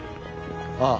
ああ。